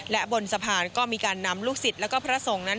และบนสะพานก็มีการนำลูกศิษย์แล้วก็พระสงฆ์นั้น